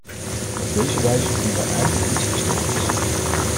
Op deze wijze doen wij eigenlijk iets historisch.